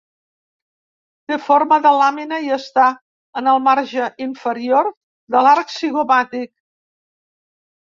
Té forma de làmina i està en el marge inferior de l'arc zigomàtic.